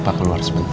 papa keluar sebentar